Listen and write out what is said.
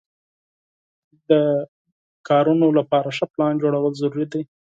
د کارونو لپاره ښه پلان جوړول ضروري دي.